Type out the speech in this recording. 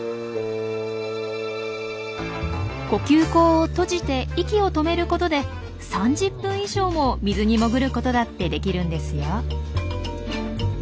呼吸孔を閉じて息を止めることで３０分以上も水に潜ることだってできるんですよ。